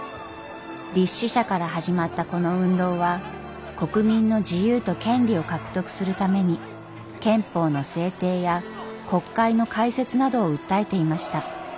立志社から始まったこの運動は国民の自由と権利を獲得するために憲法の制定や国会の開設などを訴えていました。